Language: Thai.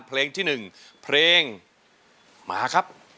เพลงที่๑เพลงมาครับ